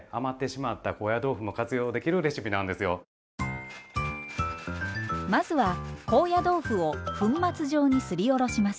まずは高野豆腐を粉末状にすりおろします。